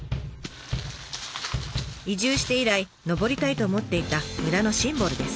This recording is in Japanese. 移住して以来登りたいと思っていた村のシンボルです。